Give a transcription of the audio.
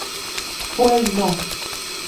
Fue el no.